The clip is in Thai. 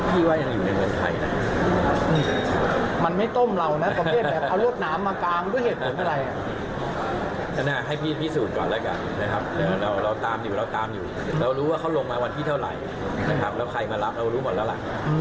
เราตามอยู่เราตามอยู่เรารู้ว่าเขาลงมาวันที่เท่าไหร่แล้วใครมารับเรารู้หมดแล้วล่ะ